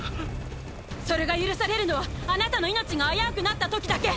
それが許されるのはあなたの命が危うくなった時だけ。